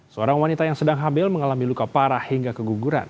seorang wanita yang sedang hamil mengalami luka parah hingga keguguran